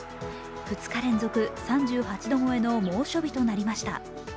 ２日連続、３８度超えの猛暑日となりました。